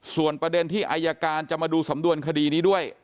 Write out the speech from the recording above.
ส่วนประเด็นที่อายการจะมาดูสำนวนคดีนี้ด้วย